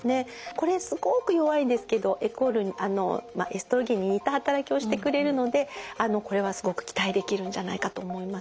これすごく弱いんですけどエストロゲンに似た働きをしてくれるのでこれはすごく期待できるんじゃないかと思います。